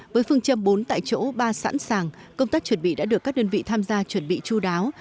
với phương châm bốn tại chỗ ba sẵn sàng công tác chuẩn bị đã được các đơn vị tham gia chuẩn bị chú đáo